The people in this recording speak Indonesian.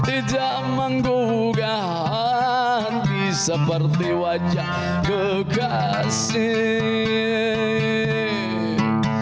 tidak menggugah hati seperti wajah kekasih